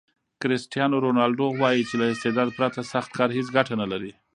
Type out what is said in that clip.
کرسټیانو رونالډو وایي چې له استعداد پرته سخت کار هیڅ ګټه نلري.